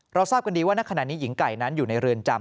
ทราบกันดีว่าณขณะนี้หญิงไก่นั้นอยู่ในเรือนจำ